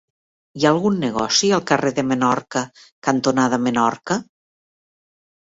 Hi ha algun negoci al carrer Menorca cantonada Menorca?